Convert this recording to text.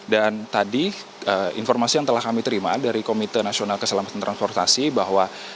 dan tadi informasi yang telah kami terima dari komite nasional keselamatan transportasi bahwa